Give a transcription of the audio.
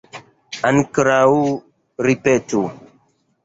Ankoraŭ ripetu.